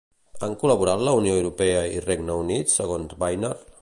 Han de col·laborar la Unió Europea i Regne Unit, segons Barnier?